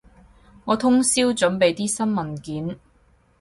我通宵準備啲新文件